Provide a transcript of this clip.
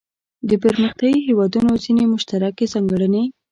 د پرمختیايي هیوادونو ځینې مشترکې ځانګړنې.